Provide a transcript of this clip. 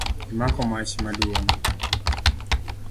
Imoko mach maduong